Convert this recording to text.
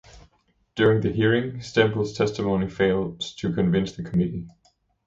During the hearing, Stempel's testimony fails to convince the committee.